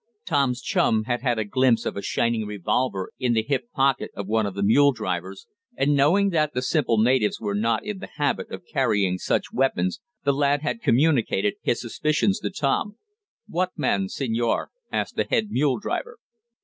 Tom's chum had had a glimpse of a shining revolver in the hip pocket of one of the mule drivers, and knowing that the simple natives were not in the habit of carrying such weapons, the lad had communicated his suspicions to Tom. "What man, senor?" asked the head mule driver.